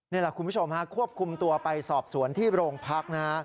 นี่แหละคุณผู้ชมฮะควบคุมตัวไปสอบสวนที่โรงพักนะฮะ